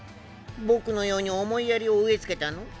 僕のように思いやりを植え付けたの？